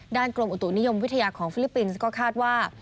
กรมอุตุนิยมวิทยาของฟิลิปปินส์ก็คาดว่า